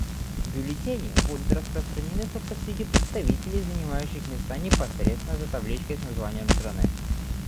Бюллетени будут распространены только среди представителей, занимающих места непосредственно за табличкой с названием страны.